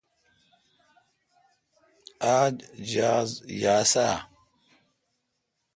آج جاز یاس آ؟